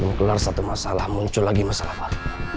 belum kelar satu masalah muncul lagi masalah